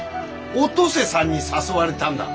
お登世さんに誘われたんだ。